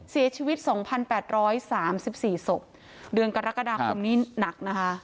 เสียชีวิต๒๘๓๔ศพเดือนกรกฎาคมนี้หนักนะคะ